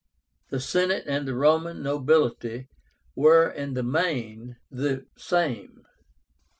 The Senate and the Roman nobility were in the main the same.